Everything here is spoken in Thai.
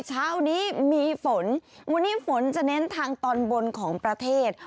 เช้านี้มีฝนวันนี้ฝนจะเน้นทางตอนบนของประเทศ